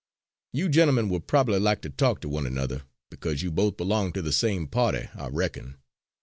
You gentlemen will probably like to talk to one another, because you both belong to the same party, I reckon.